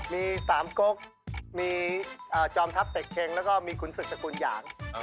มี๓กกมีจอมทัพเต็กเช็งแล้วก็มีขุนศึกสกุลหยาง